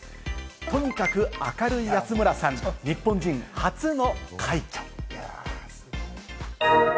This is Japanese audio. とにかく明るい安村さん、日本人初の快挙。